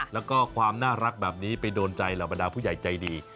แล้วก็ความน่ารักแบบนี้ไปโดนใจเหล่าบรรดาผู้ใหญ่ใจดี